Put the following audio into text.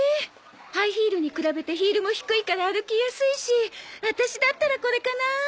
ハイヒールに比べてヒールも低いから歩きやすいしワタシだったらこれかな。